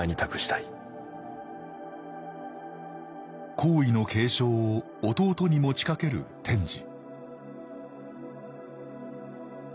皇位の継承を弟に持ちかける天智